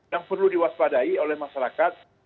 yang perlu diwaspadai oleh masyarakat